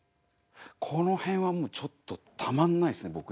この辺はもうちょっとたまんないっすね